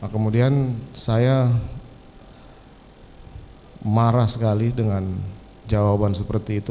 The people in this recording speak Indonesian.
kemudian saya marah sekali dengan jawaban seperti itu